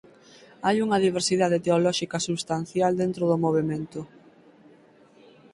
Hai unha diversidade teolóxica substancial dentro do movemento.